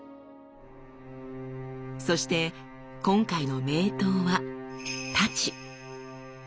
そして今回の名刀は太刀。